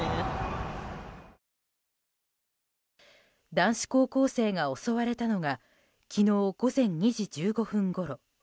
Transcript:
男子高校生が襲われたのが昨日午前２時１５分ごろ。